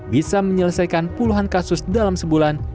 bisa menyelesaikan puluhan kasus dalam sebulan